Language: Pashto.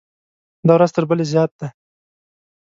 دا ورځ تر بلې زیات ده.